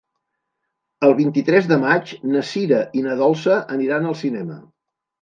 El vint-i-tres de maig na Sira i na Dolça aniran al cinema.